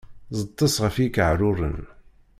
Ẓeṭṭes ɣef ikaɛruren!